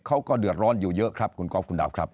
เขาก็เดือดร้อนอยู่เยอะครับคุณก๊อฟคุณดาวครับ